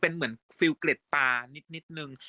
เป็นเหมือนฟิลเกร็ดตานิดนึง